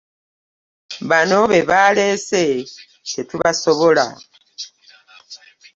Bano be baleese tetubasobola.